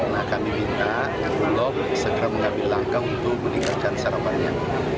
nah kami minta bulog segera mengambil langkah untuk meningkatkan sarapannya